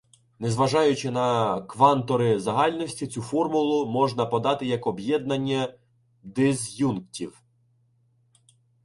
Незважаючи на квантори загальності цю формулу можна подати як об'єднання диз'юнктів.